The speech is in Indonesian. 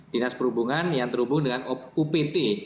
dinas perhubungan yang terhubung dengan upt